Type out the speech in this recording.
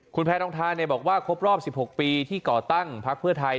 คุณแพทองทานบอกว่าครบรอบ๑๖ปีที่ก่อตั้งพักเพื่อไทย